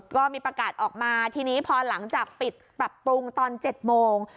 ก็มีประกาศออกมาทีนี้พอหลังจากปิดปรับปรุงตอน๗โมง